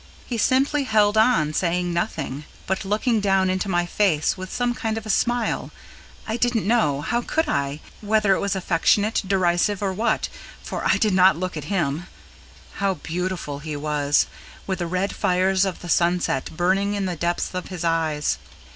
He simply held on, saying nothing, but looking down into my face with some kind of a smile I didn't know how could I? whether it was affectionate, derisive, or what, for I did not look at him. How beautiful he was! with the red fires of the sunset burning in the depths of his eyes.